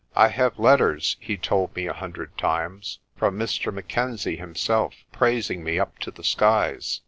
"I have letters/' he told me a hundred times, "from Mr. Mackenzie himself praising me up to the skies.